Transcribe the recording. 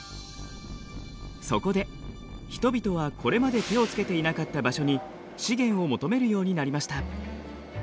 そこで人々はこれまで手をつけていなかった場所に資源を求めるようになりました。